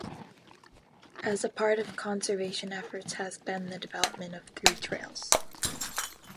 As a part of conservation efforts has been the development of three trails.